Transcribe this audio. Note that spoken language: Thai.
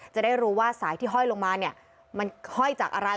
จะได้รู้ว่าสายที่ห้อยลงมาเนี่ยมันห้อยจากอะไร